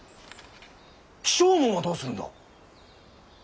起請文はどうするんだ。